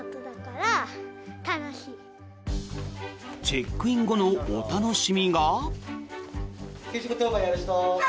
チェックイン後のお楽しみが。